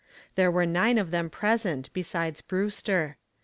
There were nine of them present, besides Brewster.